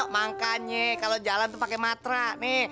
makanya kalo jalan tuh pake matra nih